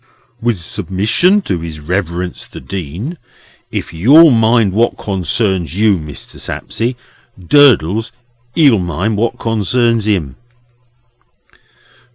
"With submission to his Reverence the Dean, if you'll mind what concerns you, Mr. Sapsea, Durdles he'll mind what concerns him."